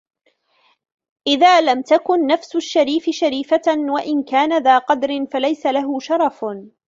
إذَا لَمْ تَكُنْ نَفْسُ الشَّرِيفِ شَرِيفَةً وَإِنْ كَانَ ذَا قَدْرٍ فَلَيْسَ لَهُ شَرَفُ